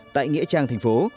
tại nghĩa trang thành phố